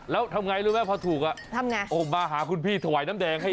แล้วทำไงรู้ไหมพอถูกอ่ะทำไงออกมาหาคุณพี่ถวายน้ำแดงให้